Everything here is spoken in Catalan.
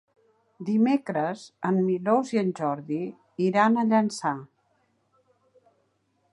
Dimecres en Milos i en Jordi iran a Llançà.